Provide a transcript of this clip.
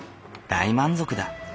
大満足だ。